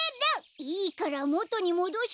いいからもとにもどしてよ。